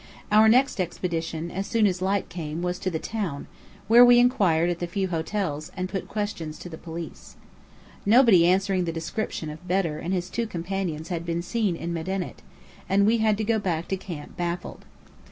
Our next expedition, as soon as light came, was to the town, where we inquired at the few hotels, and put questions to the police. Nobody answering the description of Bedr and his two companions had been seen in Medinet, and we had to go back to camp baffled.